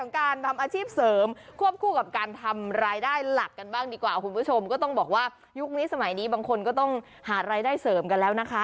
การทำอาชีพเสริมควบคู่กับการทำรายได้หลักกันบ้างดีกว่าคุณผู้ชมก็ต้องบอกว่ายุคนี้สมัยนี้บางคนก็ต้องหารายได้เสริมกันแล้วนะคะ